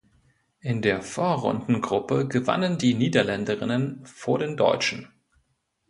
In der Vorrundengruppe gewannen die Niederländerinnen vor den Deutschen.